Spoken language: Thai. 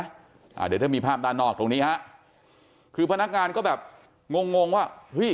เดี๋ยวถ้ามีภาพด้านนอกตรงนี้ฮะคือพนักงานก็แบบงงงงว่าเฮ้ย